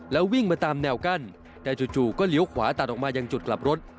แล้ววิ่งมาตามแนวกั้นแต่จู่ก็เลี้ยวขวาตัดออกมายังจุดกลับรถ